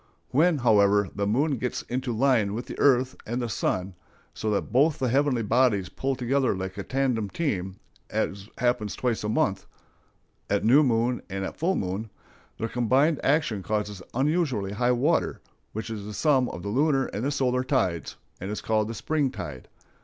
When, however, the moon gets into line with the earth and the sun, so that both the heavenly bodies pull together like a tandem team, as happens twice a month,—at new moon and full moon,—their combined action causes unusually high water, which is the sum of the lunar and solar tides, and is called the spring tide.